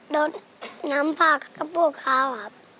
รสน้ำผักกระปุกข้าวครับ